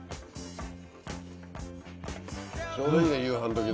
ちょうどいいね夕飯どきで。